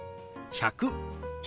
１００。